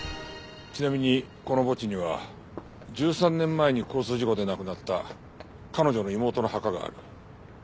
ちなみにこの墓地には１３年前に交通事故で亡くなった彼女の妹の墓がある。